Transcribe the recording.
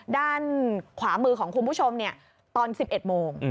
ด้านขวามือของคุณผู้ชมตอน๑๑โมง